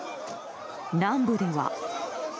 南部では。